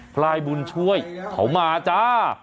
พลายบุญช่วยเขามาจ้า